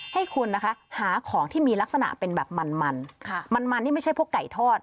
ให้คุณนะคะหาของที่มีลักษณะเป็นแบบมันมันนี่ไม่ใช่พวกไก่ทอด